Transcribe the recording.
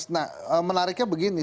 nah menariknya begini